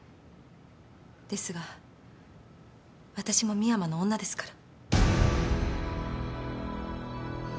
ですが私も深山の女ですから。